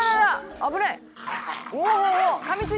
危ない！